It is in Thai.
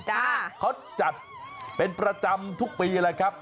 เขาจัดเป็นประจำทุกปี